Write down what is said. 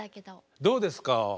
どうですか？